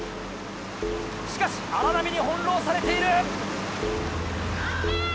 しかし荒波に翻弄されている。